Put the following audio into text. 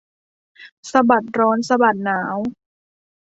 สะบัดร้อนสะบัดหนาว